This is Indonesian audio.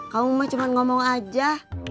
kamu cuma ngomong aja